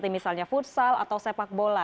misalnya futsal atau sepak bola